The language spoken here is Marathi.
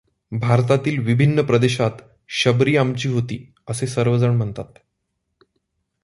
भारतातील विभिन्न प्रदेशात शबरी आमची होती असे सर्वजण म्हणतात.